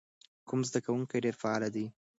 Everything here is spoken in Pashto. کوم زده کوونکی ډېر فعال دی؟